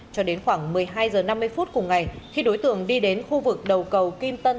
cho đến khoảng một mươi hai h năm mươi phút cùng ngày khi đối tượng đi đến khu vực đầu cầu kim tân